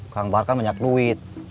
kang bar kan banyak duit